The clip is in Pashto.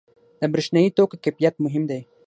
• د برېښنايي توکو کیفیت مهم دی.